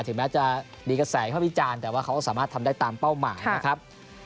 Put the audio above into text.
ถึงแม้จะมีกระแสเข้าวิจารณ์แต่ว่าเขาสามารถทำได้ตามเป้าหมายนะครับ